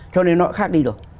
cho nên nó cũng khác đi rồi